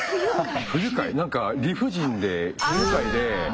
何か理不尽で不愉快で。